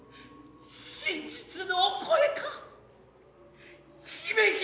真実のお声か姫君。